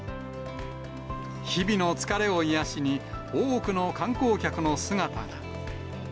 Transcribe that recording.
日々の疲れを癒やしに、多くの観光客の姿が。